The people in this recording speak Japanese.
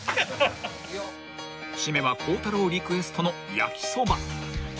［締めは孝太郎リクエストの焼きそば］